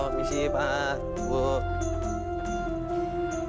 halo misi pak bu